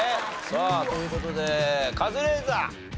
さあという事でカズレーザー。